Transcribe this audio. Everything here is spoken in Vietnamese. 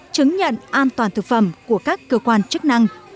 chứng nhận an toàn thực phẩm của các cơ quan chức năng